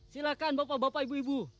silahkan bapak bapak ibu ibu